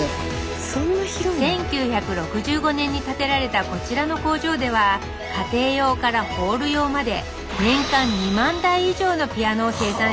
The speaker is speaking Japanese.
１９６５年に建てられたこちらの工場では家庭用からホール用まで年間２万台以上のピアノを生産しています